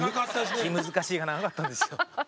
気難しいが長かったんですよ。